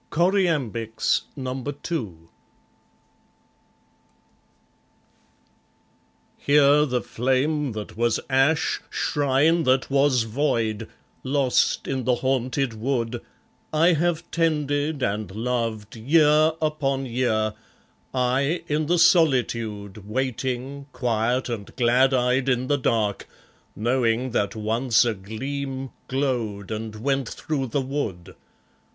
Choriambics II Here the flame that was ash, shrine that was void, lost in the haunted wood, I have tended and loved, year upon year, I in the solitude Waiting, quiet and glad eyed in the dark, knowing that once a gleam Glowed and went through the wood.